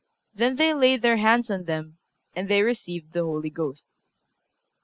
Then they laid their hands on them, and they received the Holy Ghost."